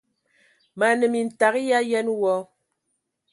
Mə anə mintag yi ayen wɔ!